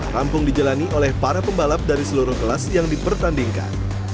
rampung dijalani oleh para pembalap dari seluruh kelas yang dipertandingkan